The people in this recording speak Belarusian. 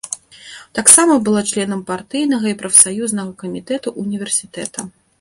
Таксама была членам партыйнага і прафсаюзнага камітэтаў універсітэта.